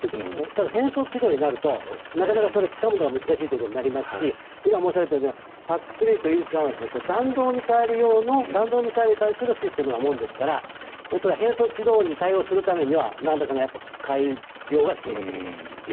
ただ、変則軌道になるとなかなかそれをつかむのが難しいことになりますし今、申し上げたようにＰＡＣ３とイージス艦は弾道ミサイル用の弾道ミサイルに対するシステムなのものですから変則軌道に対応するためにはなんらかの改良が必要になってくると思います。